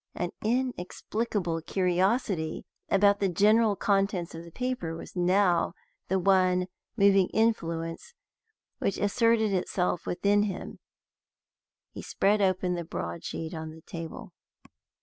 An inexplicable curiosity about the general contents of the paper was now the one moving influence which asserted itself within him, he spread open the broad sheet on the table.